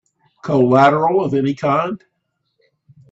Collateral of any kind?